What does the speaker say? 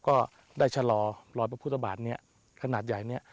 ก็ได้ชะลอรอยพระพุทธบาทเนี่ยขนาดใหญ่เนี่ย